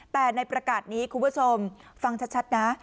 แต่ในประกาศนี้คุณผู้ชมฟังชัดนะ